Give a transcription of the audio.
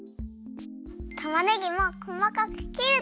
たまねぎもこまかく切るっと。